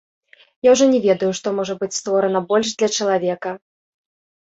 Я ўжо не ведаю, што можа быць створана больш для чалавека.